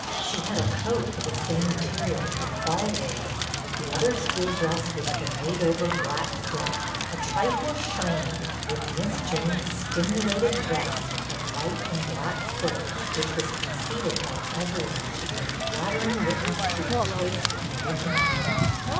She had a coat of the same material for fall wear. The other school dress was the made over black silk, a trifle shiny, with Miss Jane's "stimulated vest" of white and black silk, which was conceded by every one to be a flattering witness to her taste and origi nality.